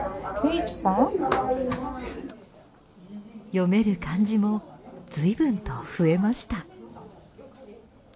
読める漢字もずいぶんと増えました。